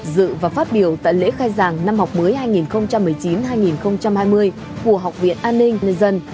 dự và phát biểu tại lễ khai giảng năm học mới hai nghìn một mươi chín hai nghìn hai mươi của học viện an ninh nhân dân